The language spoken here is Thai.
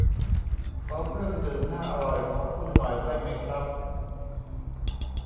ขอเครื่องดื่มน่าอร่อยของคุณหน่อยได้ไหมครับ